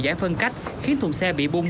giải phân cách khiến thùng xe bị bung